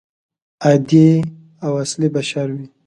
عادي او اصلي بشر وي.